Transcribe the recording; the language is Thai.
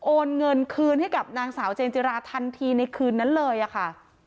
โอนเงินคืนให้กับนางสาวเจนจิราทันทีในคืนนั้นเลยค่ะ